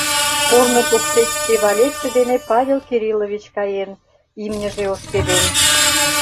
Корно покшеч шке Валетше дене Павел Кириллович каен, имньыже ошкеден.